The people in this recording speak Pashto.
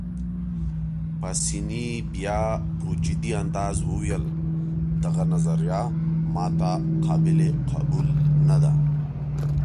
پاسیني بیا په جدي انداز وویل: دغه نظریه ما ته قابل قبول نه ده.